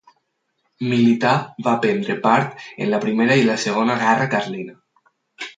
Militar, va prendre part en la Primera i en la Segona Guerra Carlina.